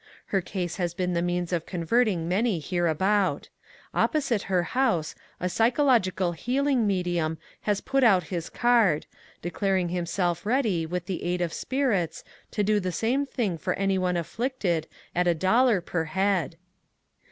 Her case has been the means of converting many hereabout. Op posite her house a ^^ psychological healing medium " has put out his card, declaring himself ready, with Sie aid of spirits, to do the same thing for any one afflicted, at a dollar per head.